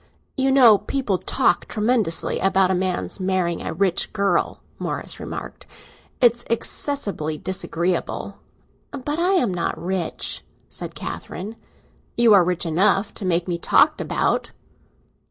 "You know people talk tremendously about a man's marrying a rich girl," Morris remarked. "It's excessively disagreeable." "But I am not rich?" said Catherine. "You are rich enough to make me talked about!"